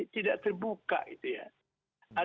tidak terbuka gitu ya